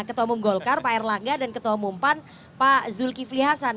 ketua umum golkar pak erlangga dan ketua umum pan pak zulkifli hasan